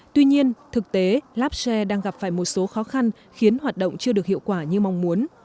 tuy nhiên thực tế labshare đang gặp phải một số khó khăn khiến hoạt động chưa được hiệu quả như mong muốn